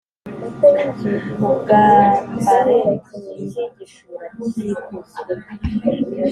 ubwambare nk’igishura cy’ikuzo.